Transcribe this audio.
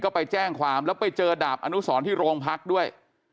ก็ไปแจ้งความแล้วไปเจอดาบอนุสรที่โรงพักด้วย